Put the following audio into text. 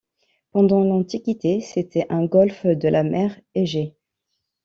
Pendant l'Antiquité c'était un golfe de la mer Égée.